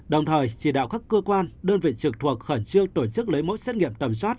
đồng thời chỉ đạo các cơ quan đơn vị trực thuộc khẩn trương tổ chức lấy mẫu xét nghiệm tầm soát